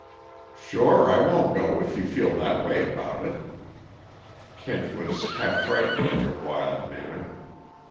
"Sure I won't go if you feel that way about it." Kent was half frightened at her wild manner.